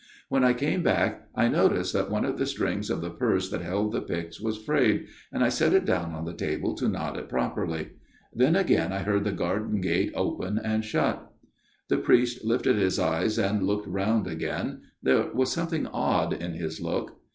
" When I came back, I noticed that one of the strings of the purse that held the pyx was frayed, and I set it down on the table to knot it properly. Then again I heard the garden gate open and shut." FATHER MARTIN'S TALE 177 The priest lifted his eyes and looked round again ; there was something odd in his look.